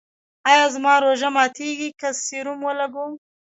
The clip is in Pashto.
ایا زما روژه ماتیږي که سیروم ولګوم؟